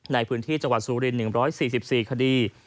ในพื้นที่จังหวัดสุริน๑๔๔คดี